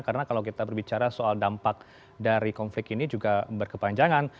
karena kalau kita berbicara soal dampak dari konflik ini juga berkepanjangan